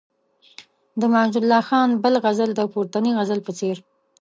د معزالله خان بل غزل د پورتني غزل په څېر.